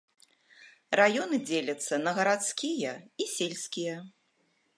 Раёны дзеляцца на гарадскія і сельскія.